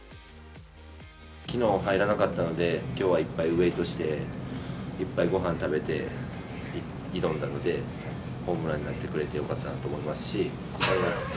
きのう入らなかったので、きょうはいっぱいウエートして、いっぱいごはん食べて、挑んだので、ホームランになってくれてよかったなと思いますし。